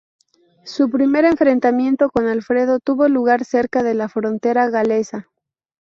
Su primer enfrentamiento con Alfredo tuvo lugar cerca de la frontera galesa.